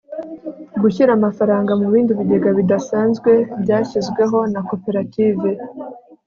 gushyira amafaranga mu bindi bigega bidasanzwe byashizweho na koperative